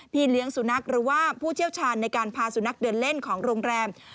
เลี้ยงสุนัขหรือว่าผู้เชี่ยวชาญในการพาสุนัขเดินเล่นของโรงแรม